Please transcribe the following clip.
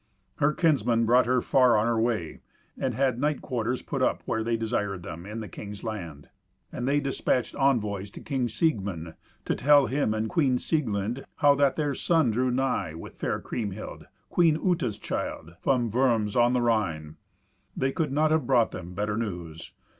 Her kinsmen brought her far on her way, and had night quarters put up where they desired them, in the king's land. And they despatched envoys to King Siegmund, to tell him and Queen Sieglind how that their son drew nigh with fair Kriemhild, Queen Uta's child, from Worms on the Rhine. They could not have brought them better news.